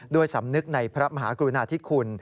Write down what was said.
สำนึกในพระมหากรุณาธิคุณ